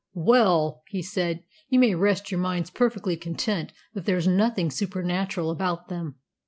"Well," he said, "you may rest your minds perfectly content that there's nothing supernatural about them.